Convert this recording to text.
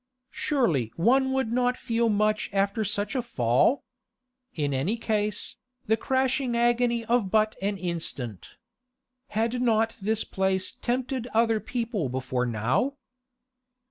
Surely one would not feel much after such a fall? In any case, the crashing agony of but an instant. Had not this place tempted other people before now?